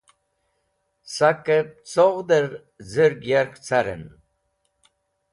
Sakẽb coghdẽr z̃ir yark carẽn